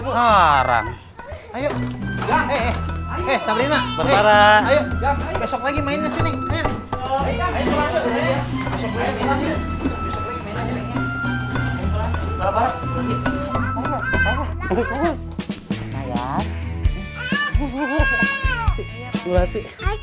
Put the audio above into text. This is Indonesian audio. kamu dong yang jagain